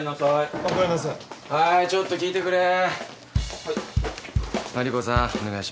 はい。